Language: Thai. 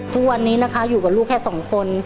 ทุกวันนี้นะคะอยู่กับลูกแค่สองคน